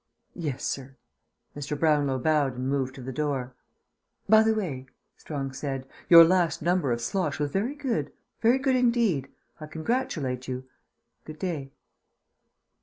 "Yes, sir." Mr. Brownlow bowed and moved to the door. "By the way," Strong said, "your last number of Slosh was very good. Very good indeed. I congratulate you. Good day."